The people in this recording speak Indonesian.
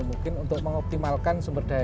mungkin untuk mengoptimalkan sumber daya